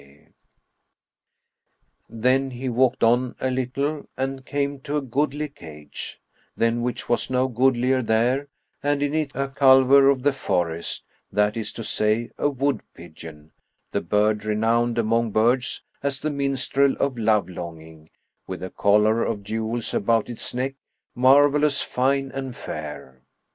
Then he walked on a little and came to a goodly cage, than which was no goodlier there, and in it a culver of the forest, that is to say, a wood pigeon,[FN#63] the bird renowned among birds as the minstrel of love longing, with a collar of jewels about its neck marvellous fine and fair.